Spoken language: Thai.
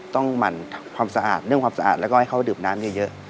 หมั่นทำความสะอาดเรื่องความสะอาดแล้วก็ให้เขาดื่มน้ำเยอะ